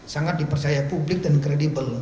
sangat dipercaya publik dan kredibel